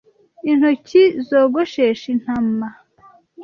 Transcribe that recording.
Intoki zogoshesha intama